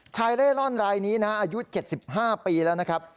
เล่ร่อนรายนี้นะอายุ๗๕ปีแล้วนะครับ